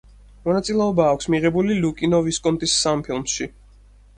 მონაწილეობა აქვს მიღებული ლუკინო ვისკონტის სამ ფილმში.